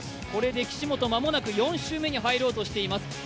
これで岸本、間もなく４周目に入ろうとしています。